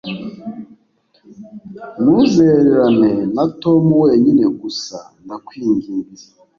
Ntuzererane na Tom wenyine gusa ndakwiginze